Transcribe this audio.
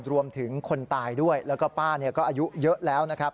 รวมถึงคนตายด้วยแล้วก็ป้าก็อายุเยอะแล้ว